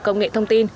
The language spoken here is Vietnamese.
công nghệ thông tin